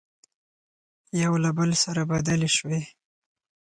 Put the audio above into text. يو له بل سره بدلې شوې،